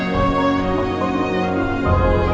dengan sangat rapuh